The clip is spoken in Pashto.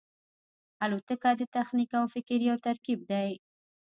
الوتکه د تخنیک او فکر یو ترکیب دی.